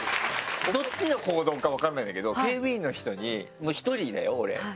どっちの行動か分かんないんだけど警備員の人に一人だよ俺。